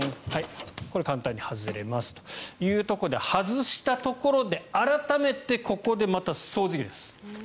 これ簡単に外れますというところで外したところで改めてここでまた掃除機です。